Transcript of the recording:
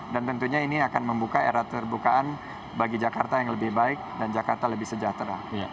dan tentunya ini akan membuka era terbukaan bagi jakarta yang lebih baik dan jakarta lebih sejahtera